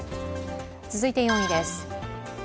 続いて４位です。